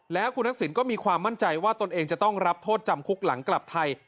แล้วคุณทักษิณก็มีความมั่นใจว่าตนเองจะต้องรับโทษจำคุกหลังกลับไทย